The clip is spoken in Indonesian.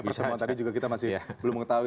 pertemuan tadi juga kita masih belum mengetahui